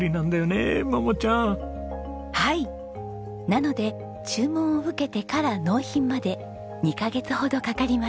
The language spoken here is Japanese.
なので注文を受けてから納品まで２カ月ほどかかります。